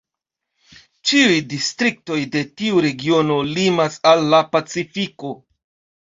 Ĉiuj distriktoj de tiu regiono limas al la pacifiko.